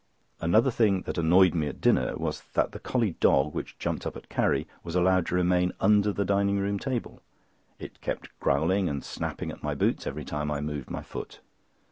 Another thing that annoyed me at dinner was that the collie dog, which jumped up at Carrie, was allowed to remain under the dining room table. It kept growling and snapping at my boots every time I moved my foot.